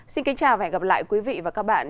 xin kính chào và hẹn gặp lại quý vị và các bạn